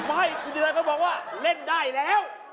ไม่มีใครจะบอกว่าเล่นได้แล้ว